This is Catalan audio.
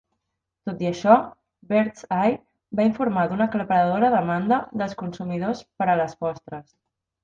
Tot i això, Birds Eye va informar d'una aclaparadora demanda dels consumidors per a les postres.